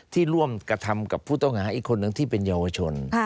ร่วมกระทำกับผู้ต้องหาอีกคนนึงที่เป็นเยาวชน